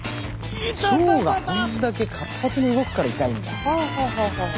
腸がこんだけ活発に動くから痛いんだ。